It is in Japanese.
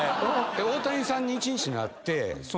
大谷さんに１日なって。